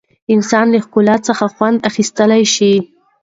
انسان له ښکلا څخه خوند اخیستلی شي.